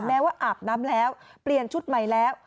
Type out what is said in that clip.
แม้ว่าอาบน้ำแล้วเปลี่ยนชุดใหม่แล้ว